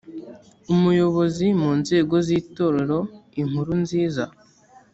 umuyobozi mu nzego z itorero inkuru nziza